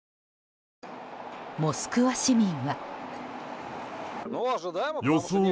モスクワ市民は。